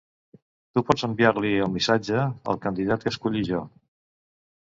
Tu pots enviar-li el missatge al candidat que esculli jo.